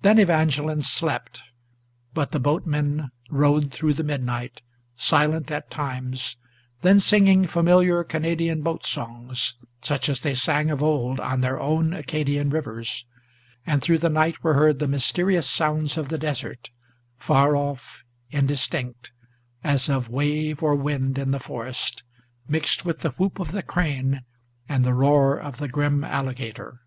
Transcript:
Then Evangeline slept; but the boatmen rowed through the midnight, Silent at times, then singing familiar Canadian boat songs, Such as they sang of old on their own Acadian rivers, And through the night were heard the mysterious sounds of the desert, Far off, indistinct, as of wave or wind in the forest, Mixed with the whoop of the crane and the roar of the grim alligator.